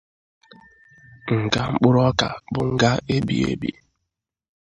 nga mkpụrụ ọka bụ nga ebighi ebi